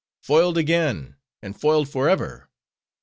"Foiled again, and foiled forever.